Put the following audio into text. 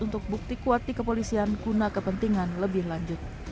untuk bukti kuat di kepolisian guna kepentingan lebih lanjut